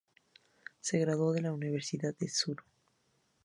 Se graduó en la Universidad de Tsuru.